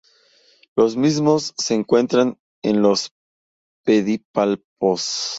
Los mismos se encuentran en los pedipalpos.